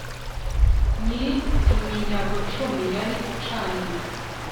Nyiri iminyago cumi Yari acaniye